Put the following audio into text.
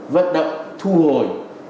vật động thu hồi